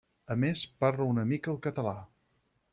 A més, parla una mica el català.